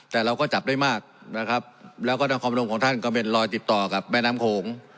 แต่เราก็จับได้มากนะครับแล้วก็นครพนมของท่านก็เป็นรอยติดต่อกับแม่น้ำโขง